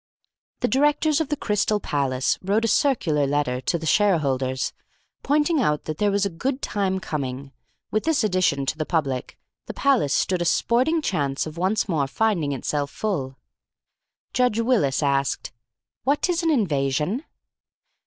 The directors of the Crystal Palace wrote a circular letter to the shareholders, pointing out that there was a good time coming. With this addition to the public, the Palace stood a sporting chance of once more finding itself full. Judge Willis asked: "What is an invasion?"